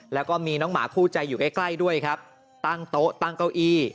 แล้วก็มีน้องหมาคู่ใจอยู่ใกล้ใกล้ด้วยครับตั้งโต๊ะตั้งเก้าอี้